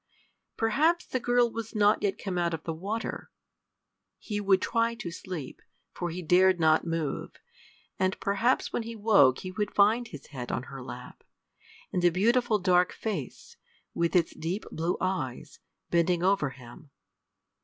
Perhaps the girl was not yet come out of the water! He would try to sleep, for he dared not move, and perhaps when he woke he would find his head on her lap, and the beautiful dark face, with its deep blue eyes, bending over him.